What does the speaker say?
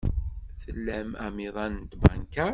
Tlam amiḍan n tbanka?